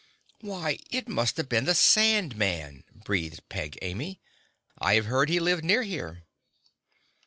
"Why, it must have been the Sand Man," breathed Peg Amy. "I have heard he lived near here."